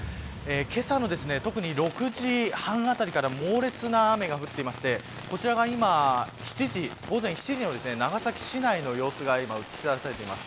けさの特に６時半あたりから猛烈な雨が降っていてこちらが午前７時の長崎市内の様子が映し出されています。